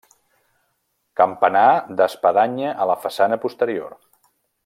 Campanar d'espadanya a la façana posterior.